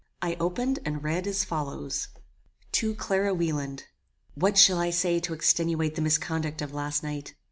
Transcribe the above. I opened and read as follows: "To Clara Wieland, "What shall I say to extenuate the misconduct of last night?